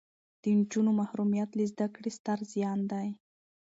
د نجونو محرومیت له زده کړې ستر زیان دی.